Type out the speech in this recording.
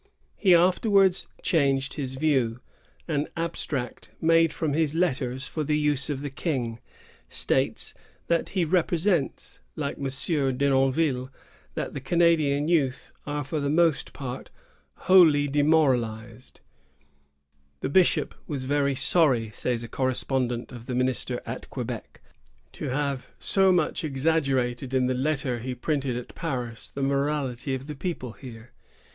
He afterwards changed his views. An abstract made from his letters for the use of the King states that he "represents, like M. DenonviUe, ^ DenonviUe au Miniatre, 13 Nov,, 1686. 180 MORALS AND MANNERS. [1670 90. that the Canadian youth are for the most part wholly demoralized."^ "The bishop was very sorry," says a correspondent of the .minister at Quebec, "to have so much exag gerated in the letter he printed at Paris the morality of the people here."